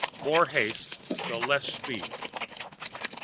More haste, the less speed!"